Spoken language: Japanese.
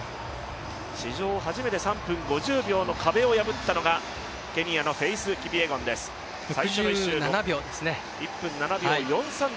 史上初めて３分５０秒の壁を破ったのがケニアのフェイス・キピエゴンです６７秒ですね。